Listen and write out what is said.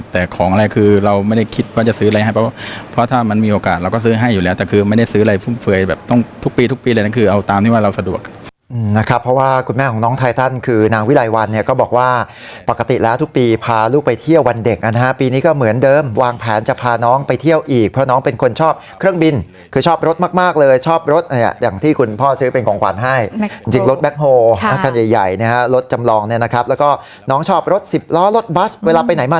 แต่ของอะไรคือเราไม่ได้คิดว่าจะซื้ออะไรให้เพราะว่าเพราะถ้ามันมีโอกาสเราก็ซื้อให้อยู่แล้วแต่คือไม่ได้ซื้ออะไรฟื้มเฟื่อยแบบต้องทุกปีทุกปีเลยนั่นคือเอาตามที่ว่าเราสะดวกอืมนะครับเพราะว่าคุณแม่ของน้องไททันคือนางวิลัยวันเนี่ยก็บอกว่าปกติแล้วทุกปีพาลูกไปเที่ยววันเด็กอันหาปีนี้ก็เหมื